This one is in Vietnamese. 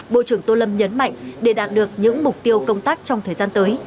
bộ trưởng tô lâm nhấn mạnh để đạt được những mục tiêu công tác trong thời gian tới